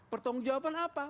pertanggung jawaban apa